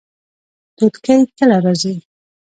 توتکۍ کله راځي؟